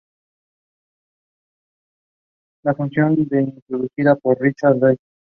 La función fue introducida por Richard Dedekind en conexión con las funciones modulares.